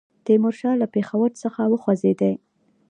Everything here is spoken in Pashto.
تیمورشاه له پېښور څخه وخوځېدی.